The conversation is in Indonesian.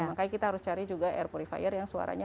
makanya kita harus cari juga air purifier yang suaranya